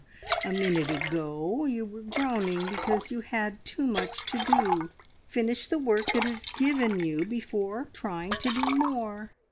A minute ago you were groaning because you had too much to do. Finish the work that is given you before trying to do more!"